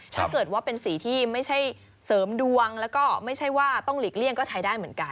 ถ้าเกิดว่าเป็นสีที่ไม่ใช่เสริมดวงแล้วก็ไม่ใช่ว่าต้องหลีกเลี่ยงก็ใช้ได้เหมือนกัน